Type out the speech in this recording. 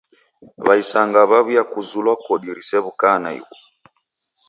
W'aisanga w'aw'iakuzulwa kodi risew'ukaa naighu!